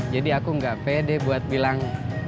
jadi aku gak pede buat bilang